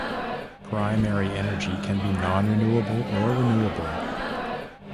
Primary energy can be non-renewable or renewable.